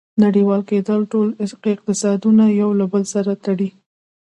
• نړیوال کېدل ټول اقتصادونه یو له بل سره تړي.